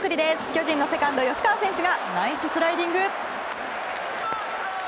巨人のセカンド、吉川選手がナイススライディング！